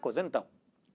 của dân tộc